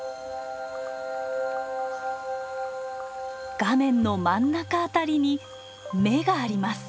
画面の真ん中辺りに目があります。